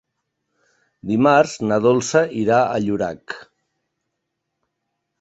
Dimarts na Dolça irà a Llorac.